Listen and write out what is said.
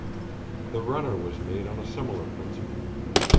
The runner was made on a similar principle.